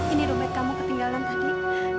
ini romet kamu ketinggalan tadi